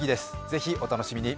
ぜひお楽しみに。